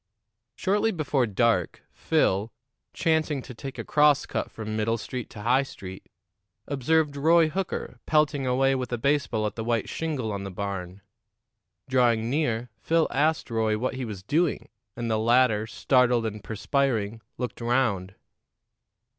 Shortly before dark, Phil, chancing to take a cross cut from Middle Street to High Street, observed Roy Hooker pelting away with a baseball at the white shingle on the barn. Drawing near, Phil asked Roy what he was doing, and the latter, startled and perspiring, looked round.